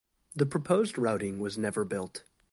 The proposed routing was never built.